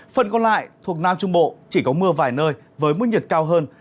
phần còn lại thuộc nam trung bộ chỉ có mưa vài nơi với mức nhiệt cao hơn